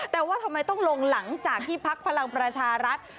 แต่ว่าทำไมต้องลงหลังจากที่พักพลังประชารัฐ